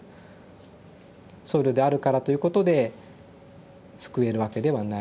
僧侶であるからということで救えるわけではない。